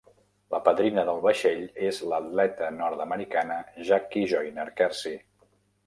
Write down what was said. La padrina del vaixell és l'atleta nord-americana Jackie Joyner-Kersee.